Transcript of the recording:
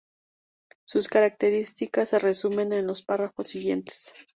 Sus características se resumen en los párrafos siguientes.